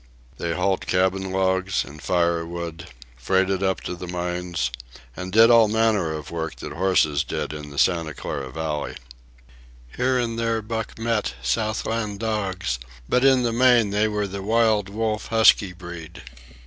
They hauled cabin logs and firewood, freighted up to the mines, and did all manner of work that horses did in the Santa Clara Valley. Here and there Buck met Southland dogs, but in the main they were the wild wolf husky breed.